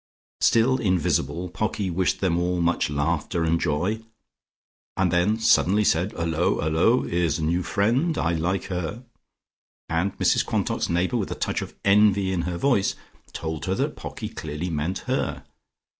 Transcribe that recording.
Still invisible, Pocky wished them all much laughter and joy, and then suddenly said "'Ullo, 'ullo, 'ere's a new friend. I like her," and Mrs Quantock's neighbour, with a touch of envy in her voice, told her that Pocky clearly meant her.